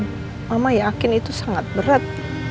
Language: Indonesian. dan mama yakin itu sangat berat